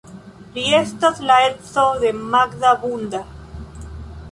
Li estas la edzo de Magda Bunta.